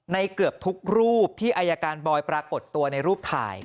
เกือบทุกรูปที่อายการบอยปรากฏตัวในรูปถ่าย